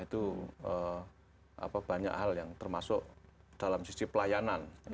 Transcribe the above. itu banyak hal yang termasuk dalam sisi pelayanan